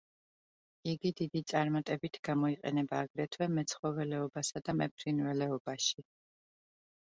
იგი დიდი წარმატებით გამოიყენება აგრეთვე მეცხოველეობასა და მეფრინველეობაში.